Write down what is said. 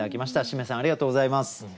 しめさんありがとうございます。